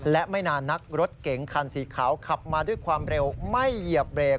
และไม่นานนักรถเก๋งคันสีขาวขับมาด้วยความเร็วไม่เหยียบเบรก